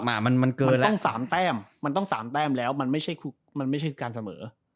มันต้อง๓แป้มแล้วมันไม่ใช่การเสมอ